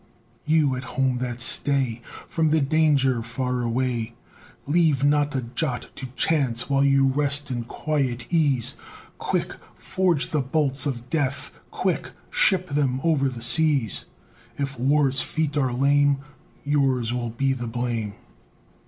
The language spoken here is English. You at home that stay From danger far away, Leave not a jot to chance, while you rest in quiet ease; Quick! forge the bolts of death; quick! ship them o'er the seas; If War's feet are lame, Yours will be the blame.